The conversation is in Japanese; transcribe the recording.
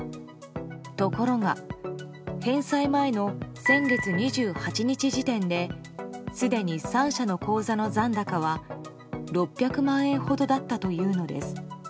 ところが返済前の先月２８日時点ですでに３社の口座の残高は６００万円ほどだったというのです。